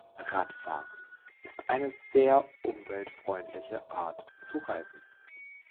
Radfahren ist eine sehr umweltfreundliche Art zu reisen.